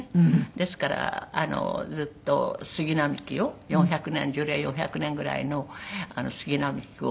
ですからずっと杉並木を４００年樹齢４００年ぐらいの杉並木を。